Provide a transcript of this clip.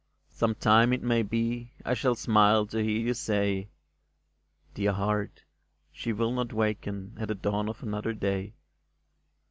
Sometime, it may be, I shall smile to hear you say :" Dear heart ! she will not waken At the dawn of another day